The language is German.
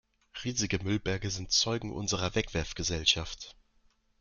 Riesige Müllberge sind Zeugen unserer Wegwerfgesellschaft.